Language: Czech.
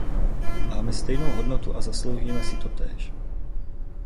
Máme stejnou hodnotu a zasloužíme si totéž.